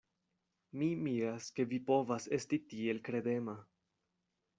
Mi miras, ke vi povas esti tiel kredema!